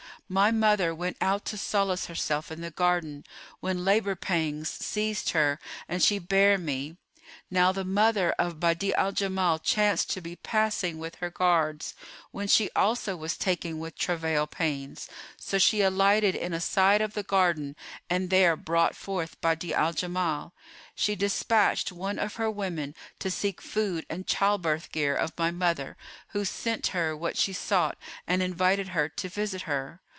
My mother went out to solace herself in the garden, when labour pangs seized her and she bare me. Now the mother of Badi'a al Jamal chanced to be passing with her guards, when she also was taken with travail pains; so she alighted in a side of the garden and there brought forth Badi'a al Jamal. She despatched one of her women to seek food and childbirth gear of my mother, who sent her what she sought and invited her to visit her.